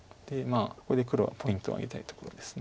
ここで黒はポイントを挙げたいところです。